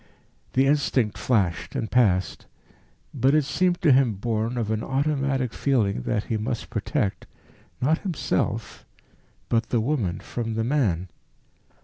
The instinct flashed and passed. But it seemed to him born of an automatic feeling that he must protect not himself, but the woman from the man.